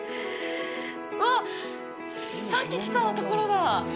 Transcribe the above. わっ、さっき来たところだ。